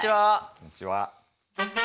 こんにちは。